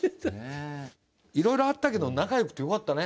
いろいろあったけど仲よくてよかったね。